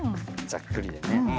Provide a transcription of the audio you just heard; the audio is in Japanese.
ざっくりでね。